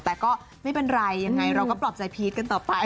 แต่ก็ไม่เป็นไรยังไงเราก็ปลอบใจพีชกันต่อไป